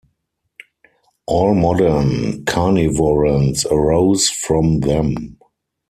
All modern carnivorans arose from them.